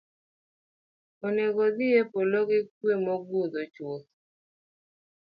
Oneg’ adhiyo e polo gi kuwe mogundho chuth.